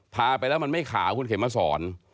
ทาไปแล้วมันไม่ขาวคุณเข็มมาสอน